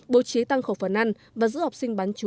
bố trí tăng khẩu phần ăn và giữ học sinh bán chú